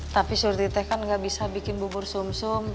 tapi seperti teh kan nggak bisa bikin bubur sum sum